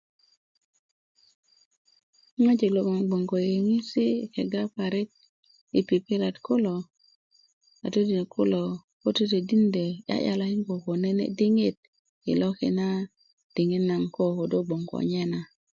ŋojik loŋ bgoŋ ko yoŋesi kega parik i pipilet kulo katodinök ko totodindö 'ya'yalakinda koko nene diŋit i loki na diŋit naŋ ko do bgoŋ konye na